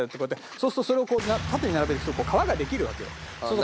そうするとそれをこう縦に並べると川ができるわけよ。